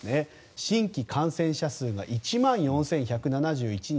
新規感染者数が１万４１７１人。